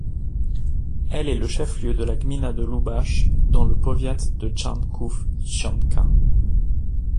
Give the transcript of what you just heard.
Elle est le chef-lieu de la gmina de Lubasz, dans le powiat de Czarnków-Trzcianka.